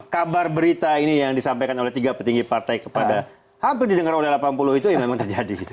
kabar berita ini yang disampaikan oleh tiga petinggi partai kepada hampir didengar oleh delapan puluh itu ya memang terjadi gitu